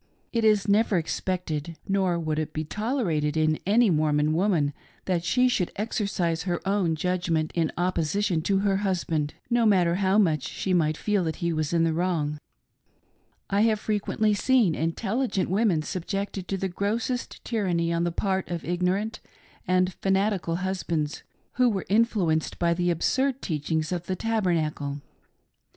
It is never expected, nor would it be tolerated in any Mor mon woman that she should exercise her own judgment in opposition to her husband, no matter how much she might feel that he was in the wrong : I have frequently seen intel ligent women subjected to the grossest tyranny on the part of ignorant and fanatical husbands who were influenced by the absurd teachings of the Tabernacle.